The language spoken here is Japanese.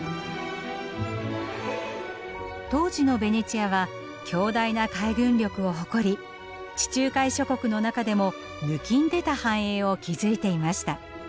当時のベネチアは強大な海軍力を誇り地中海諸国の中でもぬきんでた繁栄を築いていました。